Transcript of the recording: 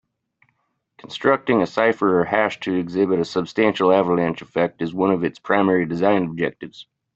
Constructing a cipher or hash to exhibit a substantial avalanche effect is one of its primary design objectives.